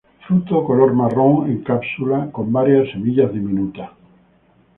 Fruto color marrón, en cápsula, con varias semillas diminutas.